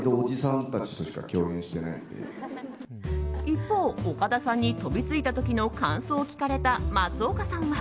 一方、岡田さんに飛びついた時の感想を聞かれた松岡さんは。